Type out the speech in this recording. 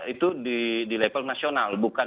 itu di level nasional bukan